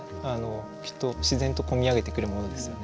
きっと自然とこみ上げてくるものですね。